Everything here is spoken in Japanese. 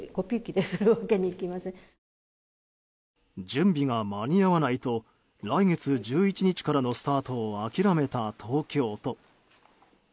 準備が間に合わないと来月１１日からのスタートを諦めた東京都。